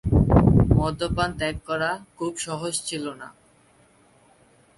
মদ্যপান ত্যাগ করা খুব সহজ ছিল না।